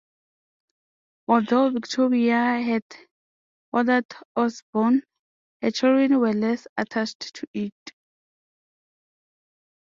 Although Victoria had adored Osborne, her children were less attached to it.